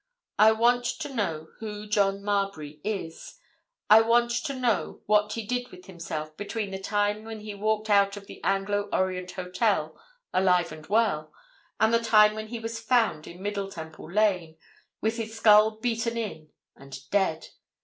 I want to know who John Marbury is. I want to know what he did with himself between the time when he walked out of the Anglo Orient Hotel, alive and well, and the time when he was found in Middle Temple Lane, with his skull beaten in and dead.